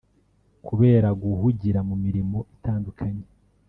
kubera guhugira mu mirimo itandukanye